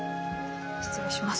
失礼します。